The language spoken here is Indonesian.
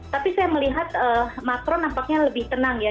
tapi saya melihat macron nampaknya lebih tenang ya